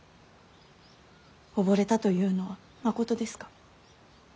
溺れたというのはまことですか。